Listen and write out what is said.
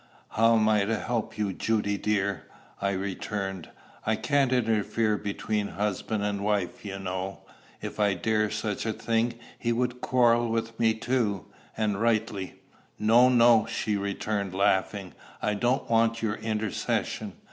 "How am I to help you, Judy dear?" I returned. "I can't interfere between husband and wife, you know. If I dared such a thing, he would quarrel with me too and rightly." "No, no," she returned, laughing: "I don't want your intercession.